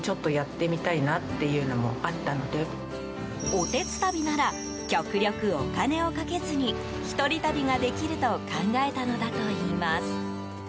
おてつたびなら極力、お金をかけずに一人旅ができると考えたのだといいます。